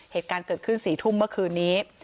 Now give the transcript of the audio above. เหตุการณ์เกิดขึ้น๔ทุ่มเมื่อคืนนี้